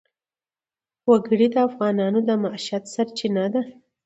وګړي د افغانانو د معیشت سرچینه ده.